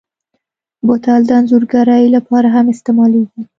بوتل د انځورګرۍ لپاره هم استعمالېږي.